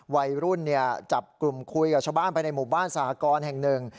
วัยรุ่นจับกลุ่มคุยกับชาวบ้านไปในหมู่บ้านสหกรณ์แห่งหนึ่ง